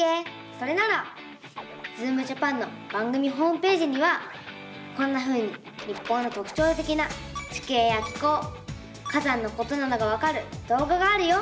それなら「ズームジャパン」の番組ホームページにはこんなふうに日本のとくちょうてきな地形や気候火山のことなどがわかるどうががあるよ！